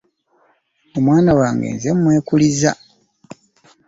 Omwana wange nze mwekuliza.